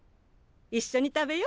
いっしょに食べよ。